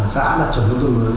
xã đặt chuẩn nông thôn mới